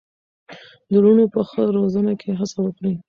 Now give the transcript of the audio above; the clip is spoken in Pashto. د لوڼو په ښه روزنه کې هڅه وکړئ.